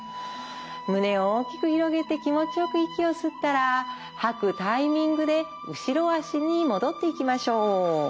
胸を大きく広げて気持ちよく息を吸ったら吐くタイミングで後ろ足に戻っていきましょう。